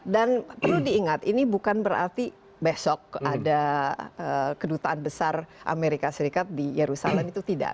dan perlu diingat ini bukan berarti besok ada kedutaan besar amerika serikat di yerusalem itu tidak